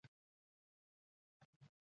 مس د افغانستان د جغرافیایي موقیعت پایله ده.